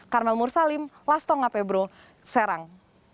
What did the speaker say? karmel mursalim lastonga pebro serang